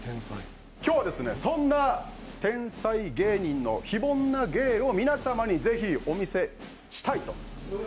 今日はそんな天才芸人の非凡な芸を皆様にぜひお見せしたいと。